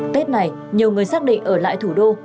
tết này nhiều người xác định ở lại thủ đô